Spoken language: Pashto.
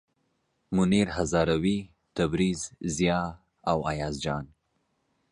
منیر هزاروي، تبریز، ضیا او ایاز جان.